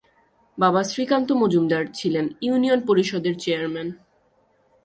বাবা শ্রীকান্ত মজুমদার ছিলেন ইউনিয়ন পরিষদের চেয়ারম্যান।